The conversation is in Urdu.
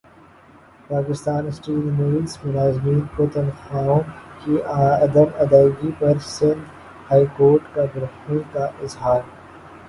پاکستان اسٹیلز ملزملازمین کو تنخواہوں کی عدم ادائیگی پرسندھ ہائی کورٹ کا برہمی کااظہار